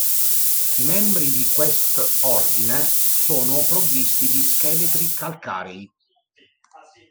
I membri di quest ordine sono provvisti di scheletri calcarei.